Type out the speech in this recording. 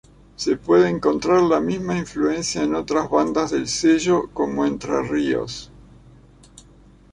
Se puede encontrar la misma influencia en otras bandas del sello, cómo Entre Ríos.